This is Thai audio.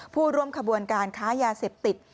ผู้ร่วมขบวนการค้ายาเสพติด